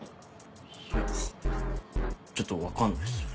いやちょっと分かんないっす。